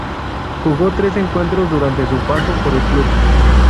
Jugó tres encuentros durante su paso por el club.